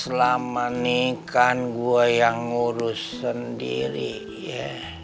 selama nikah gue yang urus sendiri ya